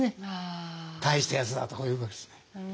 大したやつだとこう言うわけですね。